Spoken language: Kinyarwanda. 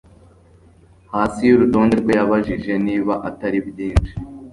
hasi yurutonde rwe yabajije, niba atari byinshi